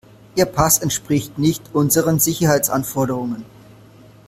Ihr Pass entspricht nicht unseren Sicherheitsanforderungen.